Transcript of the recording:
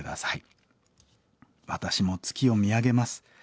私も月を見上げます。